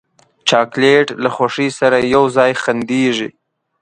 چاکلېټ له خوښۍ سره یو ځای خندېږي.